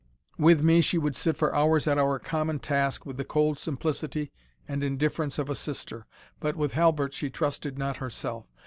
With me she would sit for hours at our common task with the cold simplicity and indifference of a sister, but with Halbert she trusted not herself.